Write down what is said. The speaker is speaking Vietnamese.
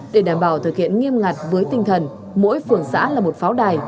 để đảm bảo thực hiện nghiêm ngặt với tinh thần mỗi phường xã là một pháo đài